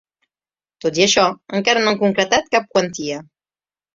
Tot i això, encara no han concretat cap quantia.